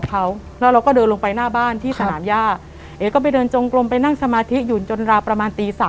เอ๊ะก็เลยว่า